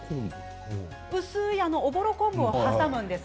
薄いおぼろ昆布を挟むんです。